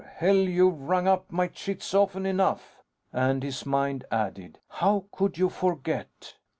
Hell, you've rung up my chits often enough!" And his mind added: _How could you forget?